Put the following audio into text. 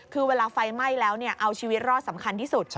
คือเวลาไฟไหม้แล้วเอาชีวิตรอดสำคัญที่สุด